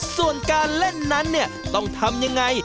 ส่วนการเล่นนั้นต้องทำอย่างไร